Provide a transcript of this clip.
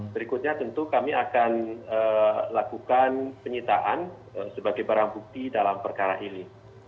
berikutnya tentu kami akan lakukan penyitaan sebagai barang bukti dalam perkara ini